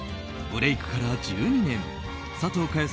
ブレークから１２年佐藤かよ